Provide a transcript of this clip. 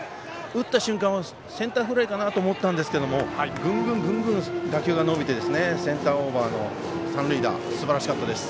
打った瞬間はセンターフライかなと思ったんですけどグングン打球が伸びてセンターオーバーの三塁打すばらしかったです。